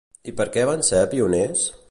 I per què van ser pioners?